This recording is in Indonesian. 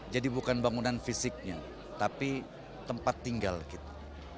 jadi bukan bangunan fisiknya tapi tempat tinggal kita